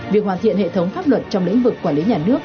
việc hoàn thiện hệ thống pháp luật trong lĩnh vực quản lý nhà nước